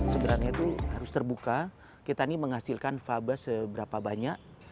sebenarnya itu harus terbuka kita ini menghasilkan faba seberapa banyak